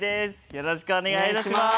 よろしくお願いします。